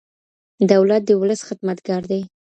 دولت د ولس خدمتګار دی.